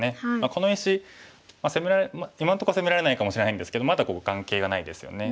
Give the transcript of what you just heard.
この石今のところ攻められないかもしれないんですけどまだ眼形がないですよね。